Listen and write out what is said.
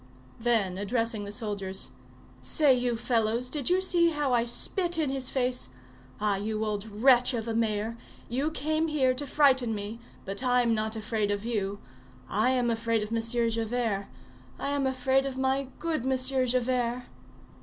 Then, addressing the soldiers:— "Say, you fellows, did you see how I spit in his face? Ah! you old wretch of a mayor, you came here to frighten me, but I'm not afraid of you. I am afraid of Monsieur Javert. I am afraid of my good Monsieur Javert!"